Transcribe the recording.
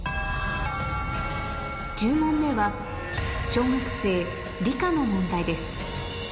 １０問目は小学生の問題です